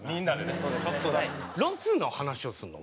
ロスの話をするの？